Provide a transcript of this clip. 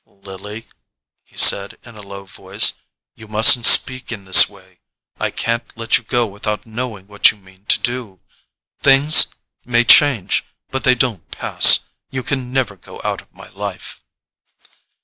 "Lily," he said in a low voice, "you mustn't speak in this way. I can't let you go without knowing what you mean to do. Things may change—but they don't pass. You can never go out of my life."